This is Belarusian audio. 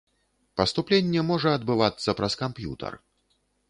Паступленне можа адбывацца праз камп'ютар.